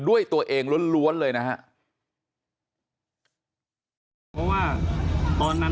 ด้วยตัวเองล้วนเลยนะครับ